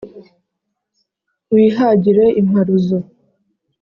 Wihagire imparuzo,